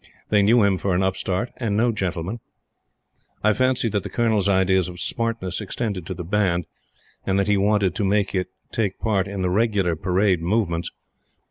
They knew him for an upstart and no gentleman. I fancy that the Colonel's ideas of smartness extended to the Band, and that he wanted to make it take part in the regular parade movements.